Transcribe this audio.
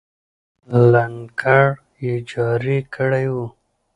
لنګر یې جاري کړی وو.